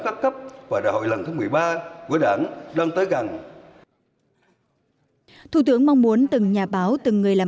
các cấp và đại hội lần thứ một mươi ba của đảng đang tới gần thủ tướng mong muốn từng nhà báo từng người làm